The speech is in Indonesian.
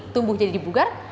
tumbuh jadi bugar